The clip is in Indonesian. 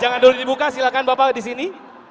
jangan dulu dibuka silahkan bapak di sini